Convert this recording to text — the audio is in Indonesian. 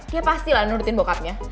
dia pastilah nurutin bokapnya